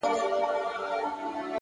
مثبت لید خنډونه کوچني کوي!